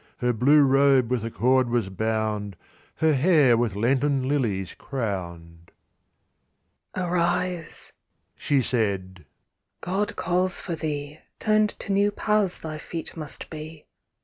Her blue robe with a cord was bound, Her hair with Lenten lilies crowned. "Arise," she said "God calls for thee, Turned to new paths thy feet must be.